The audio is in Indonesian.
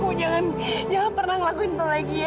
kamu jangan jangan pernah ngelakuin itu lagi ya